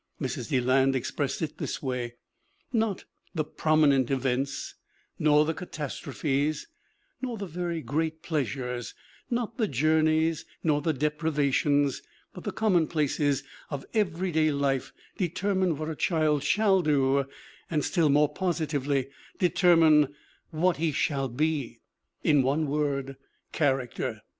Mrs. Deland expressed it this way: "Not the prominent events ; nor the catastrophes, nor the very great pleas ures; not the journeys nor the deprivations, but the commonplaces of everyday life determine what a child shall do, and still more positively determine what he shall be." In one word : character.